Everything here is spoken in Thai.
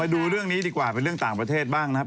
ดูเรื่องนี้ดีกว่าเป็นเรื่องต่างประเทศบ้างนะครับ